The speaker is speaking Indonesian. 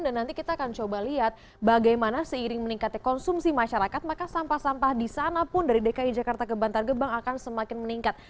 dan nanti kita akan coba lihat bagaimana seiring meningkatnya konsumsi masyarakat maka sampah sampah di sana pun dari dki jakarta ke bantar gebang akan semakin meningkat